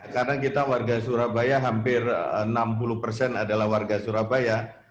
karena kita warga surabaya hampir enam puluh persen adalah warga surabaya